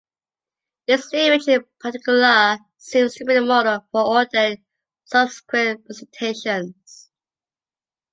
This image in particular seems to be the model for all their subsequent presentations.